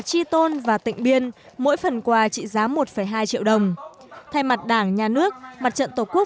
tri tôn và tỉnh biên mỗi phần quà trị giá một hai triệu đồng thay mặt đảng nhà nước mặt trận tổ quốc